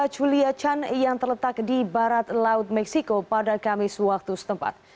culia chan yang terletak di barat laut meksiko pada kamis waktu setempat